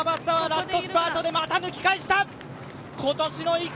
ここで樺沢、ラストスパートでまた抜き返した。